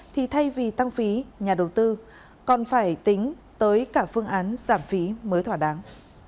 thì thay vì tăng phí nhà đầu tư còn phải tính tới cả phương án giảm phí mới thỏa đáng